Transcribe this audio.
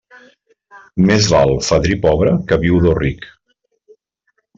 Més val fadrí pobre que viudo ric.